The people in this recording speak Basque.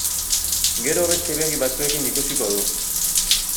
Gero beste begi batzuekin ikusiko du.